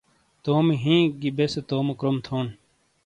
تومی ہِین گی بیسے تومو کروم تھون۔